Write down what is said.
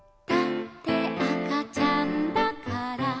「だってあかちゃんだから」